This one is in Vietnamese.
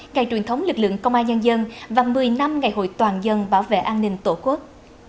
ngày truyền thống lực lượng công an nhân dân và một mươi năm ngày hội toàn dân bảo vệ an ninh tổ quốc